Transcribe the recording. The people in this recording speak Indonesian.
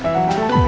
kalau bikin ini